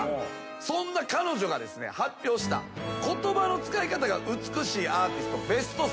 そんな彼女が発表した言葉の使い方が美しいアーティストベスト３。